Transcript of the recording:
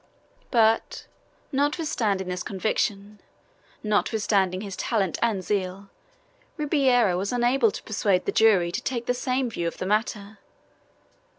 But, notwithstanding this conviction, notwithstanding his talent and zeal, Ribeiro was unable to persuade the jury to take the same view of the matter.